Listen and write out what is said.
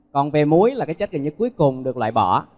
còn về muối là cái chất gần như cuối cùng được loại bỏ